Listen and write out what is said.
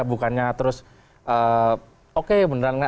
bukannya terus oke beneran